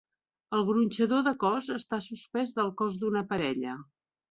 El gronxador de cos està suspès del cos d'una parella.